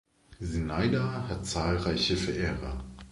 Zinaida hat zahlreiche Verehrer.